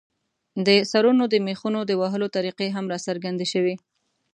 د سرونو د مېخونو د وهلو طریقې هم راڅرګندې شوې.